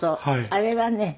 あれはね。